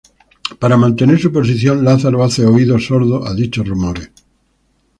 Para mantener su posición, Lázaro hace oídos sordos a dichos rumores.